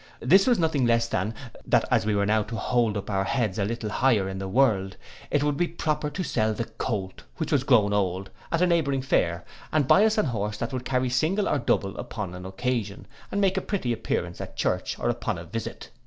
This was nothing less than, that as we were now to hold up our heads a little higher in the world, it would be proper to sell the Colt, which was grown old, at a neighbouring fair, and buy us an horse that would carry single or double upon an occasion, and make a pretty appearance at church or upon a visit.